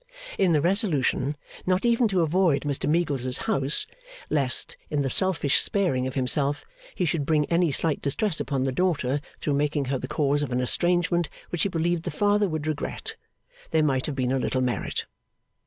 In the resolution not even to avoid Mr Meagles's house, lest, in the selfish sparing of himself, he should bring any slight distress upon the daughter through making her the cause of an estrangement which he believed the father would regret, there might have been a little merit.